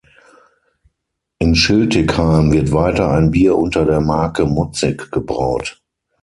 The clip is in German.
In Schiltigheim wird weiter ein Bier unter der Marke "Mutzig" gebraut.